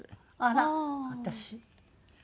あら私。